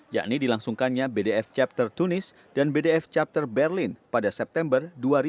yakni dilangsungkannya bdf chapter tunis dan bdf chapter berlin pada september dua ribu dua puluh